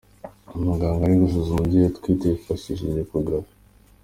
Umuganga ari gusuzuma umubyeyi utwite yifashishije Echographe .